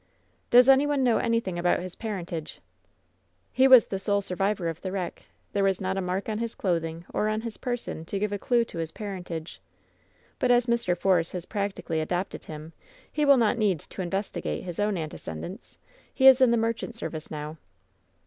"Does any one know anything about his parentage?" " "He was the sole survivor of the wreck. There was not a mark on his clothing or on his person to give a clew to his parentage. But, as Mr. Force has practically adopted him, he will not need to investigate lus own an tecedents. He is in the merchant service now."